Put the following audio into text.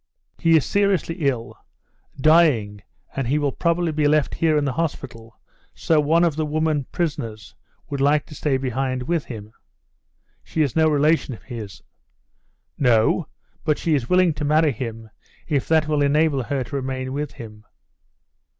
"He is seriously ill dying, and he will probably be left here in the hospital, so one of the women prisoners would like to stay behind with him." "She is no relation of his?" "No, but she is willing to marry him if that will enable her to remain with him."